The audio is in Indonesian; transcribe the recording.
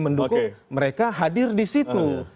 mereka hadir di situ